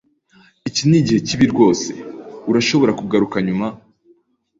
Iki nikigihe kibi rwose. Urashobora kugaruka nyuma?